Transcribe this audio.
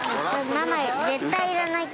絶対いらないって？